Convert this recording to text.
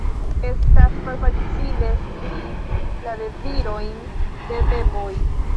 Estas malfacile scii la dezirojn de beboj.